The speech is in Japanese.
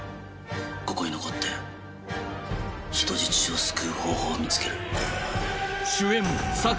ここに残って人質を救う方法を見つける。